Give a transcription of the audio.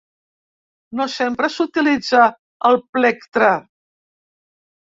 No sempre s'utilitza el plectre.